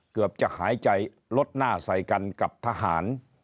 เกือบจะหายใจลดหน้าใส่กันกับทหาร